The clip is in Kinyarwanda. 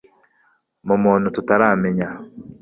mu muntu tutaramenya